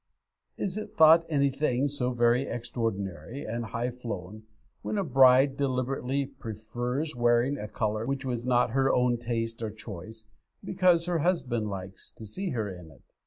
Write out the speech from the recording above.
Is it thought anything so very extraordinary and high flown, when a bride deliberately prefers wearing a colour which was not her own taste or choice, because her husband likes to see her in it?